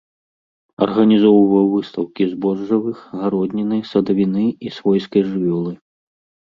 Арганізоўваў выстаўкі збожжавых, гародніны, садавіны і свойскай жывёлы.